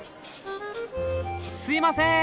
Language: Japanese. すいません